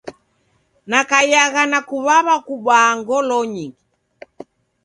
Nakaiagha na kuw'aw'a kubaa ngolonyi.